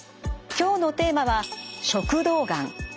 今日のテーマは食道がん。